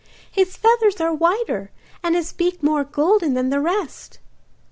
'His feathers are whiter and his beak more golden than the rest.